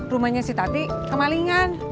rumahnya si tati kemalingan